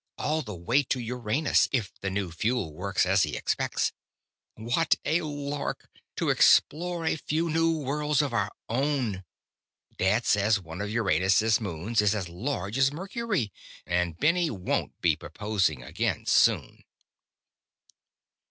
All the way to Uranus, if the new fuel works as he expects. What a lark, to explore a few new worlds of our own! Dad says one of Uranus' moons is as large as Mercury. And Benny won't be proposing again soon!"